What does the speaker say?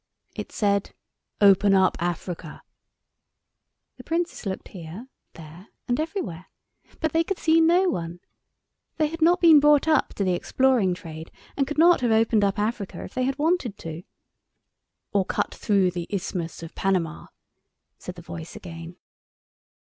It said, "Open up Africa!" The Princes looked here, there, and everywhere—but they could see no one. They had not been brought up to the exploring trade, and could not have opened up Africa if they had wanted to. "Or cut through the Isthmus of Panama," said the voice again.